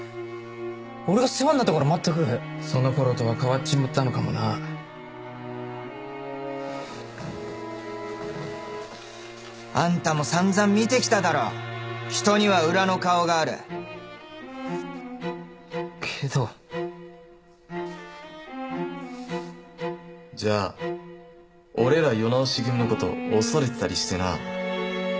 俺が世話になった頃は全くそのころとは変わっちまったのかもなあんたもさんざん見てきただろ人には裏の顔があるけどじゃ俺ら世直し組のこと恐れてたりしてな？